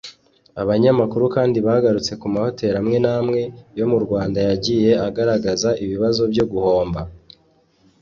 Abanyamakuru kandi bagarutse ku mahoteli amwe n’amwe yo mu Rwanda yagiye agaragaza ibibazo byo guhomba